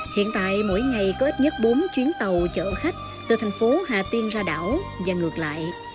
hiện tại mỗi ngày có ít nhất bốn chuyến tàu chở khách từ thành phố hà tiên ra đảo và ngược lại